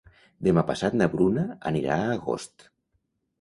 Demà passat na Bruna anirà a Agost.